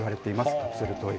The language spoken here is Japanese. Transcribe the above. カプセルトイ。